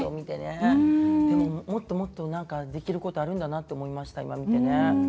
でももっと何かできることがあるんだなと思いました。